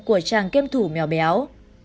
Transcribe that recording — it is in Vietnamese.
của trang kiêm thủ mèo béo